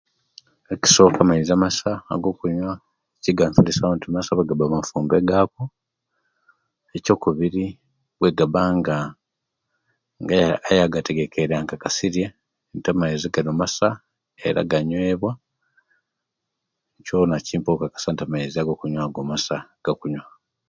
Ekisoka amaizi amasa agokunywa kyigansayusaku obwegaba mafumbegaku ekyokubiri obwegabanga eyagategekere ankakasilya nti masa era ganywobwa kyona kimpa okakasa nti amaizi go masa gakunywa